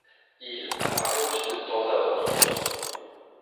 Hill apparaît ensuite de temps à autre en tournée.